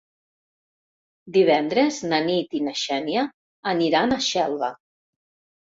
Divendres na Nit i na Xènia aniran a Xelva.